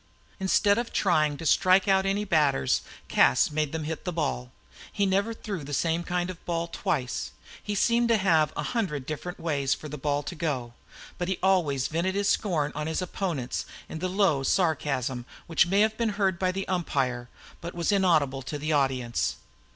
Instead of trying to strike out any batters, Cas made them hit the ball. He never threw the same kind of a ball twice. He seemed to have a hundred different ways for the ball to go. But always he vented his scorn on his opponents in the low sarcasm which may have been heard by the umpire, but was inaudible to the audience.